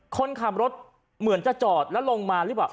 คนขับรถเหมือนจะจอดแล้วลงมาหรือเปล่า